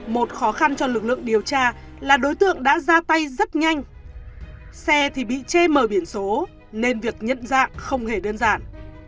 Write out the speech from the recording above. một khó khăn cho lực lượng điều tra là đối tượng đã ra tay rất nhanh xe thì bị che mờ biển số nên việc nhận dạng không hề đơn giản